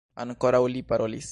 Ankoraŭ li parolis.